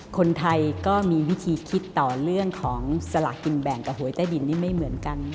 คนไทยก็มีวิธีคิดต่อเรื่องของสลากกินแบ่งกับหวยใต้ดินนี่ไม่เหมือนกัน